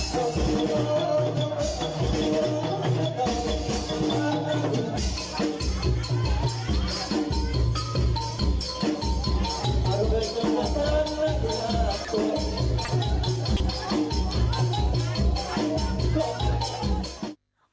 เฮ่ย